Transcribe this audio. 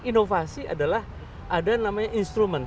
inovasi adalah ada namanya instrument